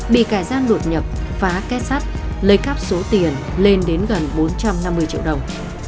bị kẻ gian đột nhập phá kết sắt lấy cắp số tiền lên đến gần bốn trăm năm mươi triệu đồng